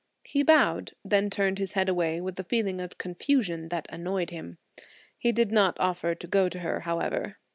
He bowed, then turned his head away with a feeling of confusion that annoyed him. He did not offer to go to her, however.